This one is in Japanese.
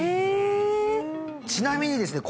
ちなみにですね